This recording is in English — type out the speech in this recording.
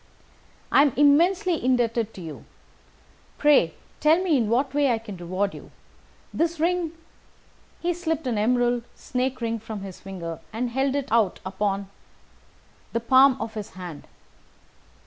"I am immensely indebted to you. Pray tell me in what way I can reward you. This ring " He slipped an emerald snake ring from his finger and held it out upon the palm of his hand.